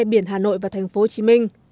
biển hà nội và thành phố hồ chí minh